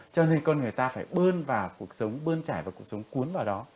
cho nên con người ta phải bơm vào cuộc sống bơn trải vào cuộc sống cuốn vào đó